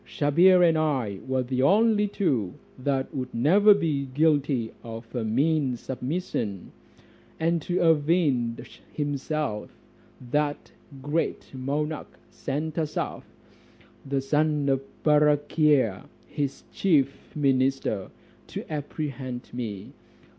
Sabhir and I were the only two that would never be guilty of a mean submission: and to avenge himself, that great monarch sent Asaph, the son of Barakhia, his chief minister, to apprehend me.